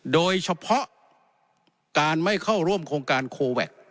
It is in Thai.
โดยเฉพาะการไม่เข้าร่วมโครวัค